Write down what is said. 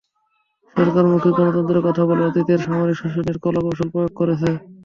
সরকার মুখে গণতন্ত্রের কথা বলে অতীতের সামরিক শাসনের কলাকৌশল প্রয়োগ করছে।